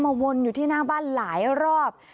วนอยู่ที่หน้าบ้านหลายรอบ